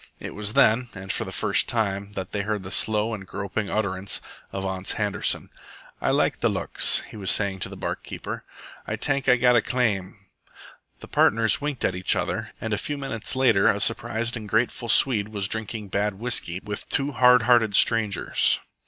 It was then, and for the first time, that they heard the slow and groping utterance of Ans Handerson. "Ay like the looks," he was saying to the bar keeper. "Ay tank Ay gat a claim." The partners winked at each other, and a few minutes later a surprised and grateful Swede was drinking bad whisky with two hard hearted strangers.